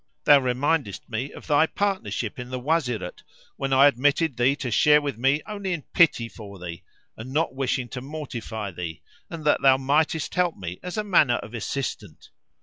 Thou remindest me of thy partnership in the Wazirate, when I admitted thee to share with me only in pity for thee, and not wishing to mortify thee; and that thou mightest help me as a manner of assistant.